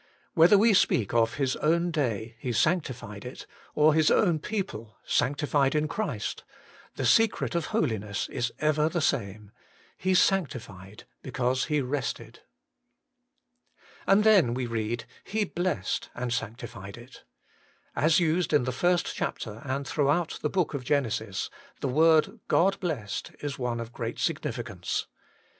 Whether we speak of His own day, ' He sanctified it,' or His own people ' sanctified in Christ,' the secret of Holiness is ever the same :' He sanctified because he rested.' 3. And then we read, ' He blessed and sanctified it.' As used in the first chapter and throughout the book of Genesis, the word ' God blessed ' is one of great significance.